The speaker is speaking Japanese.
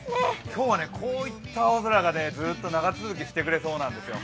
今日はこういった青空がずっと長続きしてくれそうなんですよ。